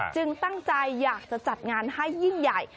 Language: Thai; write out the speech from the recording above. ตั้งใจอยากจะจัดงานให้ยิ่งใหญ่